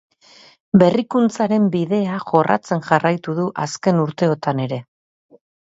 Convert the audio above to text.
Berrikuntzaren bidea jorratzen jarraitu du azken urteotan ere.